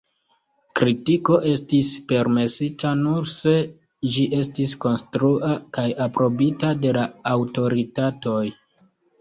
Kritiko estis permesita nur se ĝi estis “konstrua” kaj aprobita de la aŭtoritatoj.